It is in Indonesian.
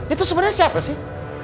itu sebenernya siapa sih